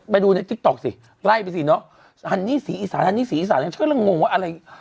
ไปดูในติ๊กต๊อกสิไล่ไปสิเนอะฮันนี่สีอีสานฮันนี่ศรีอีสานฉันกำลังงงว่าอะไร